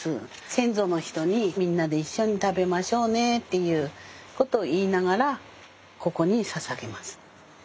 先祖の人にみんなで一緒に食べましょうねっていうことを言いながらここにささげます。